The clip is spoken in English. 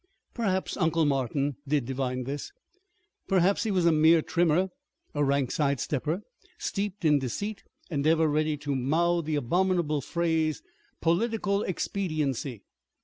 Perhaps Uncle Martin did divine this. Perhaps he was a mere trimmer, a rank side stepper, steeped in deceit and ever ready to mouth the abominable phrase "political expediency."